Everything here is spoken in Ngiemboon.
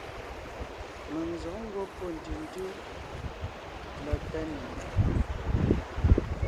Mèŋ n zɔ̌g ngwɔ́ pɔ́ ntʉ̀ntʉ́ mbà Tánè,